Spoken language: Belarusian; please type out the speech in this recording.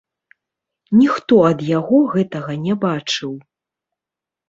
Ніхто ад яго гэтага не бачыў.